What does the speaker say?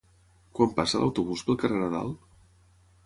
Quan passa l'autobús pel carrer Nadal?